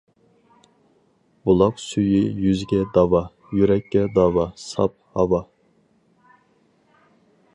بۇلاق سۈيى يۈزگە داۋا، يۈرەككە داۋا ساپ ھاۋا.